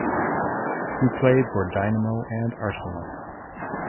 He played for Dynamo and Arsenal.